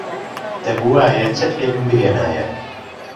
دەبوایە چەترێکم بهێنایە.